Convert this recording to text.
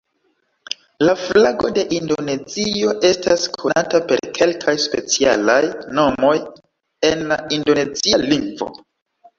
La flago de Indonezio estas konata per kelkaj specialaj nomoj en la indonezia lingvo.